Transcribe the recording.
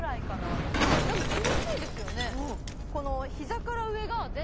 私でも気持ちいいですよね